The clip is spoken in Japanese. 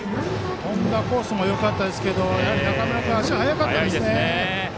飛んだコースもよかったですけど中村君、足が速かったですね。